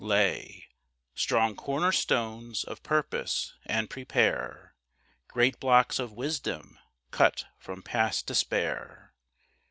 Lay Strong corner stones of purpose, and prepare Great blocks of wisdom, cut from past despair.